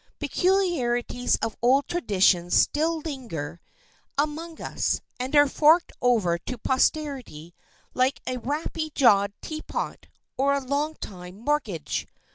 Peculiarities of old traditions still linger among us, and are forked over to posterity like a wappy jawed tea pot or a long time mortgage.